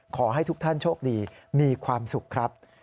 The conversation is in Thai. ขอให้ทุกท่านโชคดีมีความสุขครับ